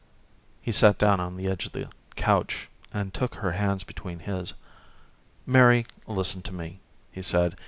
He sat down on the edge of the couch and took her hands between his. "Mary, listen to me," he said.